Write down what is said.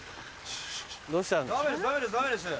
どうしたんですか？